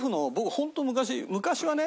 本当昔昔はね